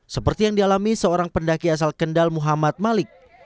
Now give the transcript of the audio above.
seperti yang dialami seorang pendaki asal kendal muhammad malik